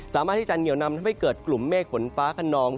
สามารถที่จะเหนียวนำทำให้เกิดกลุ่มเมฆฝนฟ้าขนอง